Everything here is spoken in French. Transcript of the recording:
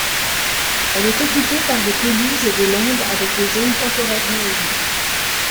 Elle est occupée par des pelouses et des landes avec des zones temporairement humides.